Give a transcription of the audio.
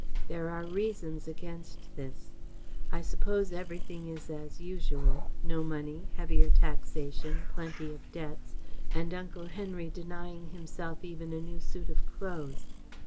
There are reasons against this. I suppose everything is as usual no money, heavier taxation, plenty of debts, and Uncle Henry denying himself even a new suit of clothes.